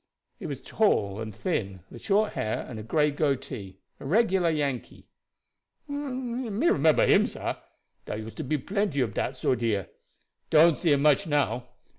"He was tall and thin, with short hair and a gray goatee a regular Yankee." "Me remember him, sah. Dar used to be plenty ob dat sort here. Don't see dem much now.